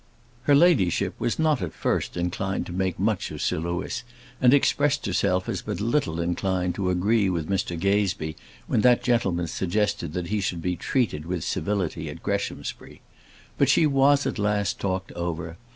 Her ladyship was not at first inclined to make much of Sir Louis, and expressed herself as but little inclined to agree with Mr Gazebee when that gentleman suggested that he should be treated with civility at Greshamsbury. But she was at last talked over.